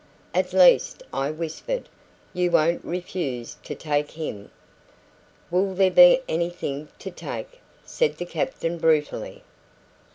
"At least," I whispered, "you won't refuse to take him?" "Will there be anything to take?" said the captain brutally.